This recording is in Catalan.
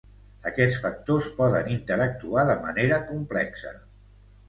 Aquests factors poden interactuar de manera complexa.